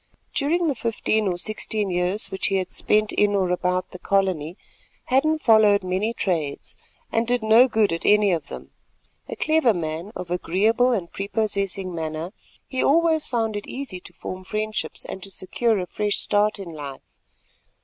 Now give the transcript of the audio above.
During the fifteen or sixteen years which he had spent in or about the colony, Hadden followed many trades, and did no good at any of them. A clever man, of agreeable and prepossessing manner, he always found it easy to form friendships and to secure a fresh start in life.